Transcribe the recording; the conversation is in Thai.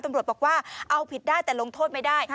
ตำรวจบอกว่าเอาผิดได้แต่ลงโทษไม่ได้